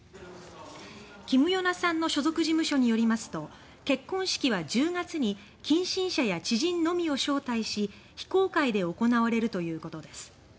キム・ヨナさんの所属事務所によりますと結婚式は１０月に近親者や知人のみを招待し非公開で行われるということです